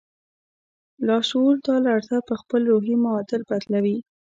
لاشعور دا لړزه پهخپل روحي معادل بدلوي